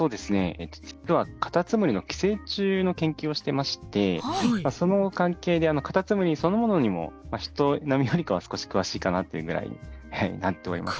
えっと実はカタツムリの寄生虫の研究をしてましてその関係でカタツムリそのものにも人並みよりかは少し詳しいかなっていうぐらいになっております。